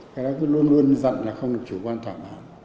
cái đó cứ luôn luôn dặn là không được chủ quan thỏa mãn